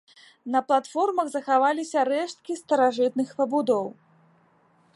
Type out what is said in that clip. На платформах захаваліся рэшткі старажытных пабудоў.